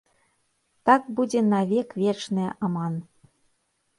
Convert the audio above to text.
Так будзе на век вечныя аман!